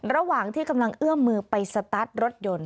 ระหว่างที่กำลังเอื้อมมือไปสตาร์ทรถยนต์